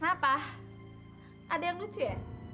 kenapa ada yang lucu ya